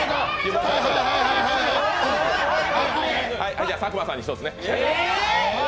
じゃ、佐久間さんに１つね。